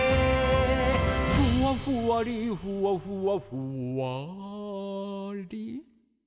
「ふわふわりふわふわふわり」